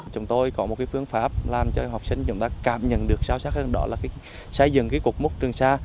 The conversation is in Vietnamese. chúng tôi có một phương pháp làm cho học sinh chúng ta cảm nhận được sâu sắc hơn đó là xây dựng cuộc mốt trường sa